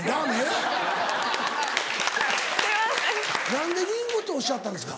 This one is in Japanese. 何でリンゴっておっしゃったんですか？